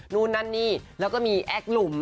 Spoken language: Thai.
นู่นนั่นนี่แล้วก็มีแอคหลุม